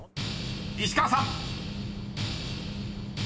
［石川さん］